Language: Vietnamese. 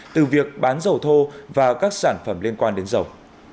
từ việc bán dầu thô và các sản phẩm liên quan đến dầu